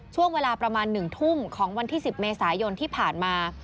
ช่วงเวลาประมาณ๑ทุ่มของวันที่๑๐เมษายนที่ผ่านมา